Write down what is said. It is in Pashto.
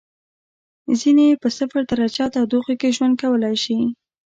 ځینې یې په صفر درجه تودوخې کې ژوند کولای شي.